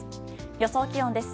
予想気温です。